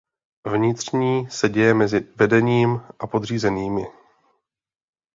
Vnitřní se děje mezi vedením a podřízenými.